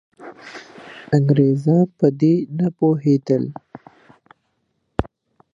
انګریزان په دې نه پوهېدل.